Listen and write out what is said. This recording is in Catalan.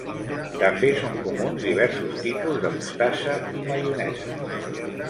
També són comuns diversos tipus de mostassa i maioneses.